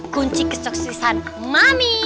kunci ke suksesan mami